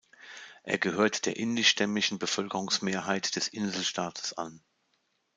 Er gehört der indischstämmigen Bevölkerungsmehrheit des Inselstaates an.